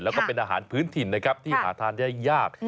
แล้วก็เป็นอาหารพื้นถิ่นนะครับที่หาทานได้ยาก